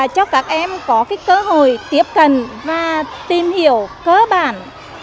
cho các em có cơ hội tiếp cận và tìm hiểu cơ bản